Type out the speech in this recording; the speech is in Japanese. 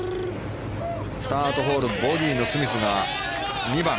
スタートホールボギーのスミスが２番。